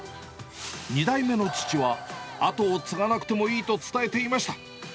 ２代目の父は、跡を継がなくてもいいと伝えていました。